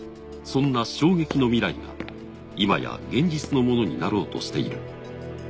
そんな衝撃の未来がいまや現実のものになろうとしている。